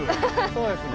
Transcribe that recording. そうですね。